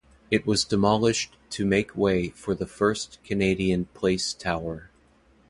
It was demolished to make way for the First Canadian Place tower.